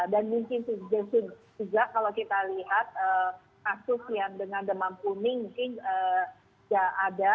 dan mungkin juga kalau kita lihat kasus yang dengan demam kuning mungkin tidak ada